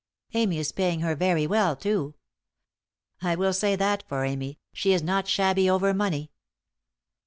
Amy is paying her very well, too. I will say that for Amy, she is not shabby over money."